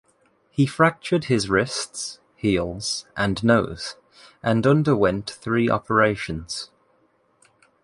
He fractured his wrists, heels and nose and underwent three operations.